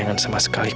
ga ada masalah